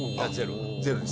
ゼロです